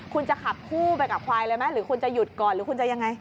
คุณจะขับคู่ไปกับควายเลยไหมหรือคุณจะหยุดก่อนหรือคุณจะยังไง